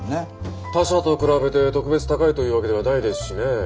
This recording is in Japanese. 他社と比べて特別高いというわけではないですしね。